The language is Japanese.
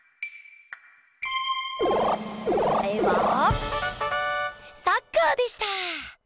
答えは「サッカー」でした！